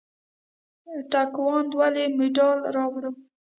تکواندو ولې مډال راوړ؟